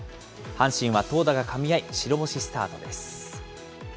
阪神は投打がかみ合い、白星スタートです。